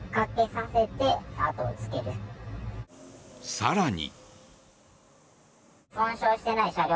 更に。